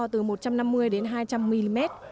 từ một trăm năm mươi đến hai trăm linh mm